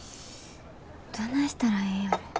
どないしたらええんやろ。